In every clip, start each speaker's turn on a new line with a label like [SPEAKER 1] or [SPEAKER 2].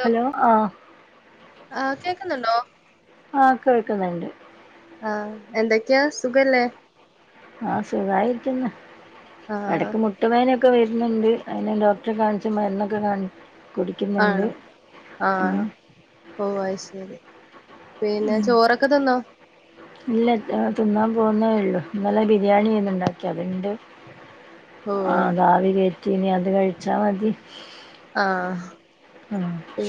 [SPEAKER 1] Hello ആ
[SPEAKER 2] ആഹ് കേക്കുന്നുണ്ടോ
[SPEAKER 1] ആ കേൾക്കുന്നുണ്ട്
[SPEAKER 2] ആ എന്തൊക്കെയാ സുഖല്ലേ?
[SPEAKER 1] ആ സുഖായിരിക്കുന്ന്
[SPEAKER 2] ആഹ്
[SPEAKER 1] എടക്ക് മുട്ട് വേദന ഒക്കെ വരുന്നുണ്ട് അയിന് ഡോക്ടറെ കാണിച്ച് മരുന്നൊക്കെ കാണി കുടിക്കുന്നുണ്ട്
[SPEAKER 2] ആണോ
[SPEAKER 1] ഉം
[SPEAKER 2] ആഹ് ഓ അത് ശരി പിന്നെ ചോറൊക്കെ തിന്നോ?
[SPEAKER 1] ഇല്ല ഏ തിന്നാൻ പോകുന്നേ ഒള്ളു ഇന്നലെ ബിരിയാണിന്ന ഉണ്ടാക്കി അത്ണ്ട്
[SPEAKER 2] ഓ
[SPEAKER 1] ആ അതാവി കേറ്റിനി അത് കഴിച്ചാ മതി
[SPEAKER 2] ആ
[SPEAKER 1] ആഹ്
[SPEAKER 2] പി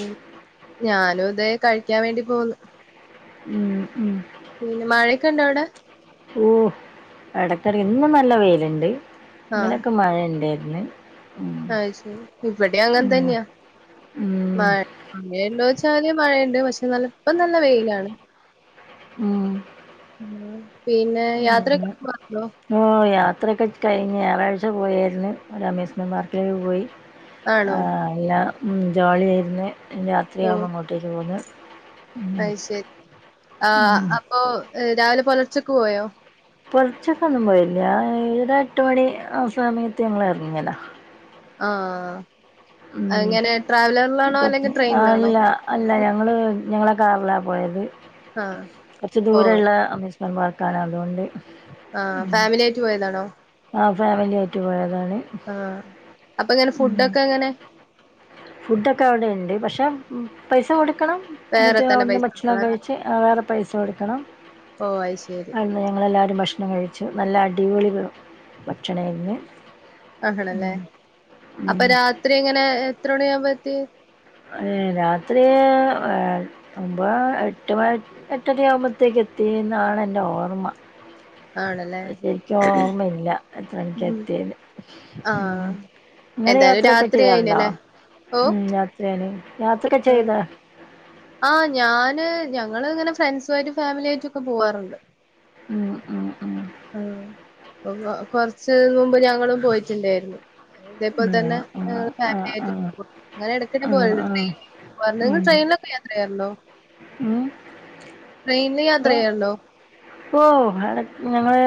[SPEAKER 2] ഞാനും ഇതേ കഴിക്കാൻ വേണ്ടി പോകുന്നു
[SPEAKER 1] ഉം ഉം
[SPEAKER 2] ഇക്കണ്ടോ അവിടെ
[SPEAKER 1] ഓ എടക്കടയ് ഇന്ന് നല്ല വെയില് ഉണ്ട് ഇന്നലൊക്കെ മഴ ഉണ്ടായി ഹം,
[SPEAKER 2] അ ശെരി ഇവിടെയും അങ്ങനെ തന്നെയാ
[SPEAKER 1] ഉം
[SPEAKER 2] മഴ മഴണ്ടോ ചോയ്ച്ചാല് മഴണ്ട് പക്ഷെ നല്ല ഇപ്പം നല്ല വെയിലാണ്
[SPEAKER 1] ഉം
[SPEAKER 2] പിന്നെ യാത്രക്കെ സുഗാണോ
[SPEAKER 1] അത്രയൊക്കെ കഴിഞ്ഞ് ഞായറാഴ്ച പോയായിരുന്നു ഒരു അമേസ്മെന്റ് പാർക്കിൽ പോയി
[SPEAKER 2] ആണോ
[SPEAKER 1] ആ എല്ലാം ജോളിയായിരുന്നു രാത്രിയാവുമ്പോൾ അങ്ങോട്ടേക്ക് ഉം
[SPEAKER 2] അഹ് ശരി ആ
[SPEAKER 1] ഉം
[SPEAKER 2] അപ്പൊ രാവിലെ പുലർച്ചക്ക് പോയോ
[SPEAKER 1] പോലർച്ചൊക്കെന്നും പോയില്ല ഒരു എട്ട് മണി സമയത്ത് ഞങ്ങൾ ഇറങ്ങിയത
[SPEAKER 2] ആ ഇങ്ങനെ ട്രാവലറിലാണോ
[SPEAKER 1] കൊറച്ച്
[SPEAKER 2] അല്ലെങ്കിൽ ട്രെയിനിലാണോ
[SPEAKER 1] അല്ല അല്ല ഞങ്ങള് ഞങ്ങളെ കാറിലാ പോയത്
[SPEAKER 2] ആഹ്
[SPEAKER 1] കുറച്ച് ദൂ
[SPEAKER 2] ഓ
[SPEAKER 1] രള്ള അമ്യൂസ്മെന്റ് പാർക്കാണ് അതുകൊണ്ട്
[SPEAKER 2] ആ ഫാമിലി ആയിട്ട് പോയതാണോ
[SPEAKER 1] ആ ഫാമിലി ആയിട്ട് പോയതാണ്
[SPEAKER 2] ആ അപ്പൊ എങ്ങനെ ഫുഡൊക്കെ എങ്ങനെ
[SPEAKER 1] ഫുഡൊക്കെ അവിടെ ഉണ്ട് പക്ഷെ പൈസ കൊടു കോടുക്കണം
[SPEAKER 2] വേറെ
[SPEAKER 1] എന്നിട്ട്
[SPEAKER 2] തന്നെ
[SPEAKER 1] അവിടുന്ന്
[SPEAKER 2] പൈസ
[SPEAKER 1] ഭക്ഷണം
[SPEAKER 2] കൊടുക്കണല്ലേ
[SPEAKER 1] കഴിച്ച് വേറെ പൈസ കൊടുക്കണം
[SPEAKER 2] ഓ അത് ശരി
[SPEAKER 1] അന്ന് ഞങ്ങളെല്ലാരും ഭക്ഷണം കഴിച്ചു നല്ല അടിപൊളി ഭക്ഷണായിരുന്നു
[SPEAKER 2] ആ, ണല്ലേ അപ്പൊ രാത്രി എങ്ങനെ എത്ര മണി ആവുമ്പോത്തി
[SPEAKER 1] ഏ രാത്രി ഏ ഒമ്പേ എട്ട് എട്ടര ആവുമ്പോത്തേക്ക് എത്തി വത്തി എന്നാാണ് എൻ്റെ ഓർമ്മ
[SPEAKER 2] ആണല്ലേ
[SPEAKER 1] ശരിക്കും ഓർമല്ല എത്ര മണിക്ക്
[SPEAKER 2] ഉം
[SPEAKER 1] എത്തിയേന്ന്
[SPEAKER 2] ആഹ്
[SPEAKER 1] ഇങ്ങള്
[SPEAKER 2] എന്തായാലും
[SPEAKER 1] യാത്രയൊക്കെ
[SPEAKER 2] രാത്രി
[SPEAKER 1] ചെയ്യാറുണ്ടോ
[SPEAKER 2] ആയിനല്ലേ
[SPEAKER 1] ഉ
[SPEAKER 2] ആ ആ ഞാന് ഞങ്ങള് ഇങ്ങനെ ഫ്രണ്ട്സു ആയിട്ടും ഫാമിലിയ ആയിട്ടൊക്കെ പോവാാറുണ്ട്
[SPEAKER 1] ഉം ഉം ഉം
[SPEAKER 2] ആ കൊറച്ച് നുമ്പ് ഞങ്ങളും പോയിട്ടുണ്ടായിരുന്നു ഇതേപോലെ തന്നെ
[SPEAKER 1] ആ
[SPEAKER 2] ഞങ്ങള്
[SPEAKER 1] ആ ആ
[SPEAKER 2] ഫാമിലി ആയിട്ട്
[SPEAKER 1] ആ
[SPEAKER 2] പോവാറുണ്ട് അങ്ങനെ ഇടക്കിടെ
[SPEAKER 1] ആഹ്
[SPEAKER 2] പോലുണ്ട് ട്രെയി
[SPEAKER 1] ആഹ്
[SPEAKER 2] പറഞ്ഞ നിങ്ങൾ
[SPEAKER 1] ഉം
[SPEAKER 2] [unintelligible] ട്രെയിനിലൊക്കെ യാത്ര ചെയ്യരുന്നോ
[SPEAKER 1] ഉം
[SPEAKER 2] ട്രെയിനിന്
[SPEAKER 1] ഓ
[SPEAKER 2] യാത്ര ചെയ്യല്ണ്ടൊ
[SPEAKER 1] ഓ അട ഞങ്ങള്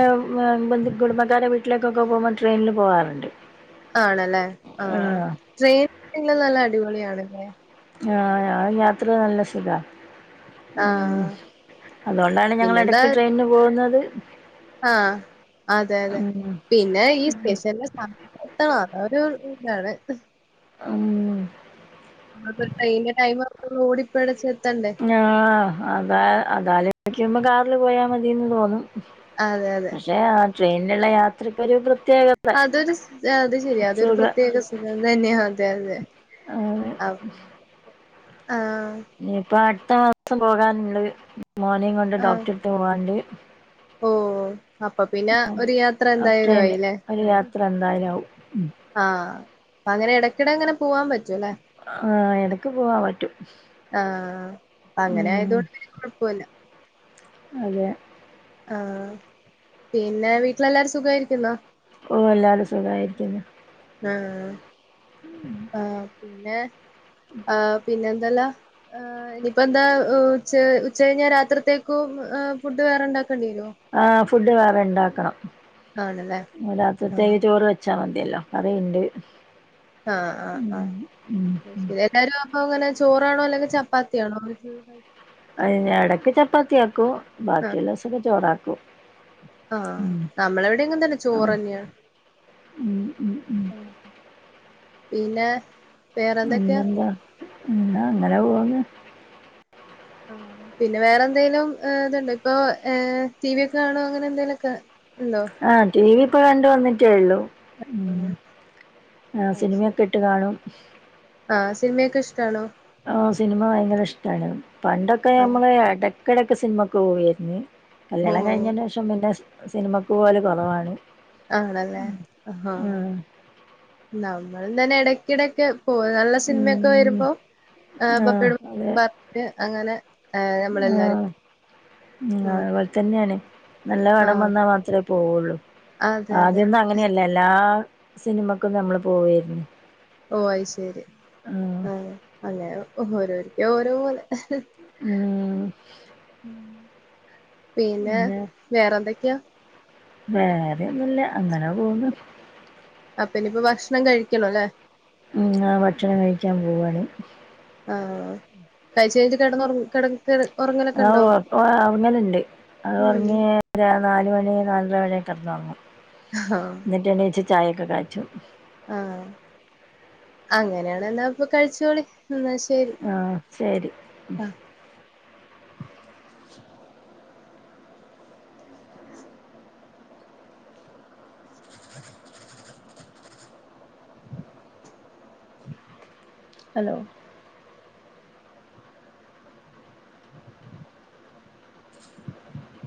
[SPEAKER 1] കുടുംബക്കാരെ വീട്ടിലേക്കൊക്കെ പോകുമ്പോൾ ട്രെയിനിൽ പോവാാറുണ്ട്
[SPEAKER 2] ആണല്ലേ ആട്രെയിൻ [unintelligible] നല്ല അടിപൊളിയ ആണല്ലേ
[SPEAKER 1] ആ ആ യാത്ര നല്ല സുഖ ഉം
[SPEAKER 2] ആഹ്
[SPEAKER 1] അതുകൊണ്ടാണ് ഞങ്ങള എടക്ക് ട്രെയിനിന് പോകുന്നത്
[SPEAKER 2] ആ അതെ അതെ
[SPEAKER 1] ഉം
[SPEAKER 2] പിന്നെ ഈ സ്പെഷ്യല് എത്തണം ഒരു ഇതാണ്
[SPEAKER 1] ഉ
[SPEAKER 2] അടൈന്റെ ടൈമ ഓടിപ്പടച്ച
[SPEAKER 1] ആ അതാ അതാലയ്ക്കുമ്പോ കാറില് പോയാ മതിന്ന് തോന്നും
[SPEAKER 2] അതെ അതെ
[SPEAKER 1] പക്ഷെ ആ ട്രെയിനിലുള്ള യാത്രക്കൊരു പ്രത്യേകത
[SPEAKER 2] അതൊരു അത് ശരി അതൊരു
[SPEAKER 1] സുഖ
[SPEAKER 2] പ്രത്യേക സുഖം തന്നെയാ അതെ അതെ അ
[SPEAKER 1] ഇനിയിപ്പ അടുത്ത മാസം പോകാനുള്ള മോനിം കൊണ്ട് ഡോക്ടർട്ത്ത് പോവാണ്ട്
[SPEAKER 2] ഓ അപ്പൊ പിന്നെ ഒരു യാത്ര എന്തായാലും
[SPEAKER 1] അപ്പന്നെ
[SPEAKER 2] അയില്ലേ
[SPEAKER 1] ഒരു യാത്ര എന്തായാലും ആവും
[SPEAKER 2] ആഹ് അപ്പൊ അങ്ങനെ ഇടയ്ക്കിടെ അങ്ങനെ പോവാൻ പറ്റൂല്ലേ
[SPEAKER 1] ആഹ് എടക്ക് പോവാൻ പറ്റും
[SPEAKER 2] ആ അപ്പൊ അങ്ങനെ
[SPEAKER 1] ഉം
[SPEAKER 2] ആയതൊണ്ട് കൊഴപ്പല്ല
[SPEAKER 1] അതെ
[SPEAKER 2] ആ പിന്നെ വീട്ടിലെല്ലാരും സുഖായിരിക്കുന്നോ
[SPEAKER 1] ഓ എല്ലാരും സുഖായിരിക്കുന്നു
[SPEAKER 2] ആ ആ പിന്നെ ആ പിന്നെ എന്തല്ലാ ആ ഇനിയിപ്പോ എന്താ ഉ ഉച്ചകഴിഞ്ഞാ രാത്രിത്തേക്കും ഫുഡ് വേറെണ്ടാക്ക ണ്ടിരുോ
[SPEAKER 1] ആഹ് ഫുഡ് വേറെ ഉണ്ടാക്കണം
[SPEAKER 2] ആണല്ലേ ആഹ്
[SPEAKER 1] രാത്രിത്തേക്ക് ചോറ് വെച്ചാൽ മതി ഇതല്ലോ കറിയുണ്ട്
[SPEAKER 2] ആ ആ ആ
[SPEAKER 1] ഉം ഉം ഉം
[SPEAKER 2] ശരി എല്ലാരും അപ്പ അങ്ങനെ ചോറാണോ അല്ലെങ്കിൽ ചപ്പാത്തിയാണോ വീട്ടിൽ ക [unintelligible]
[SPEAKER 1] അ ഇടക്ക് ചപ്പാത്തിയാക്കും ബാക്കിയുള്ളസൊക്കെ ചോറാക്കും
[SPEAKER 2] ആ
[SPEAKER 1] ഉം
[SPEAKER 2] നമ്മളെവിടെയ എങ്ങും തന്നെ
[SPEAKER 1] ഉം
[SPEAKER 2] ചോറ്ന്നെയാണ്
[SPEAKER 1] ഉം ഉം ഉം
[SPEAKER 2] ആ പിന്നെ വേറെന്തൊക്കെയാ
[SPEAKER 1] എന്തെന്താ എന്നന്ന അങ്ങനെ പോവന്ന്
[SPEAKER 2] ആ പിന്നെ വേറെ എന്തെങ്കലും ഇതുണ്ട് ഇപ്പൊ ടി വി ഒക്കെ കാണോ അങ്ങനെ എന്തെലൊക്കെ
[SPEAKER 1] ആ ടി വി ഇപ്പ കണ്ട വന്നിട്ടേ ഉള്ളു
[SPEAKER 2] ആഹ്
[SPEAKER 1] ഉ ആർ
[SPEAKER 2] അത്
[SPEAKER 1] സിനിമയൊക്കെ ഇട്ട് കാണും
[SPEAKER 2] സിനിമൊക്കെ ഇഷ്ടണോ
[SPEAKER 1] ആ സിനിമ ഭയങ്കര ഇഷ്ടാണ് പണ്ടൊക്കെ
[SPEAKER 2] ആഹ്
[SPEAKER 1] നഞമ്മള്ട എടക്കിടയക്കക്ക് സിനിമൊക്ക് പോവയായിരുന്നു കല്യാണം
[SPEAKER 2] ഓഹ്
[SPEAKER 1] കഴിഞ്ഞതിന് ശേഷം പിന്നെ സിനിമക്ക് പോലെ കുറവാണ്
[SPEAKER 2] ആണല്ലേ ആ നമ്മൾ തന്നെ ഇടക്കിട ഒക്കെ പോ നല്ല സിനിമയൊക്കെ
[SPEAKER 1] ഉം
[SPEAKER 2] വരുമ്പോ
[SPEAKER 1] ആഹ്
[SPEAKER 2] പപ്പിയട് പറഞ്ഞിട്ട് അങ്ങനെ ഏഹ്
[SPEAKER 1] ആ
[SPEAKER 2] നമ്മളെല്ലാരും
[SPEAKER 1] ഉ
[SPEAKER 2] ഉം
[SPEAKER 1] അതുപോലെ തന്നെയാണ് നല്ല വടം
[SPEAKER 2] ആഹ്
[SPEAKER 1] വന്നാൽ മാത്രേ പോുള്ളു
[SPEAKER 2] അതെ അതെ
[SPEAKER 1] ആദ്യൊന്നും അങ്ങനെയല്ല എല്ലാ സിനിമക്കും നമ്മള് പോവരുന്നു
[SPEAKER 2] ഓ അയി ശരി ആ അല്ലെ ഓരോരിക്ക ഓരോ പോലെ
[SPEAKER 1] ഉം
[SPEAKER 2] ഉ പിന്നെ വേറെ എന്തൊക്കെയാ
[SPEAKER 1] വേറെയൊന്നുമല്ല അങ്ങനെ പോുന്നു
[SPEAKER 2] അപ്പനിയിപ്പ ഭക്ഷണം കഴിക്കണല്ലേ
[SPEAKER 1] ഉ ഭക്ഷണം കഴിക്കാൻ പോവാണ്
[SPEAKER 2] ആ കഴിച്ച കഴിഞ്ഞ് കിടന്നറ കിട [unintelligible]
[SPEAKER 1] ഔ
[SPEAKER 2] ഉണ്ടോ
[SPEAKER 1] ആപ്പ അവങ്ങലുണ്ട് അത്
[SPEAKER 2] ഉം
[SPEAKER 1] പറഞ്ഞ് നാല മണി നാലര മണ കിറന്ന് ഉറങ്ങും
[SPEAKER 2] ആഹ്
[SPEAKER 1] എന്നിട്ട് എണീച്ച് ചായയൊക്കെ കായച്ചു
[SPEAKER 2] ആ അങ്ങനെയാണ് എന്നാ ഇപ്പൊ കഴിച്ചോളി എന്നാ ശരി
[SPEAKER 1] ആ ശരി
[SPEAKER 2] ആ
[SPEAKER 1] ഹലോ